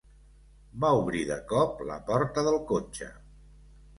Va obrir de cop la porta del cotxe.